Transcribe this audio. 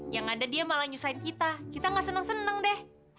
yang ada dia malah nyusahin kita kita gak seneng seneng deh